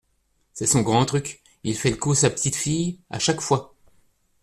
c’est son grand truc, il fait le coup à sa petite-fille à chaque fois